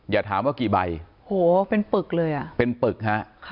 อย่าถามว่ากี่ใบโหเป็นปึกเลยอ่ะเป็นปึกฮะ